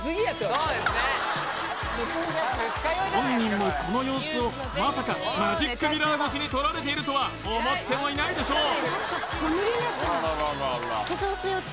本人もこの様子をまさかマジックミラー越しに撮られているとは思ってもいないでしょう